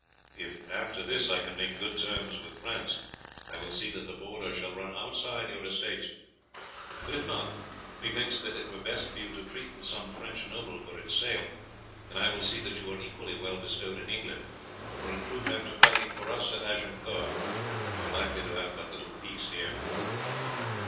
If after this I can make good terms with France I will see that the border shall run outside your estates; but if not, methinks that it were best for you to treat with some French noble for its sale, and I will see that you are equally well bestowed in England, for in truth, after fighting for us at Agincourt, you are like to have but little peace here."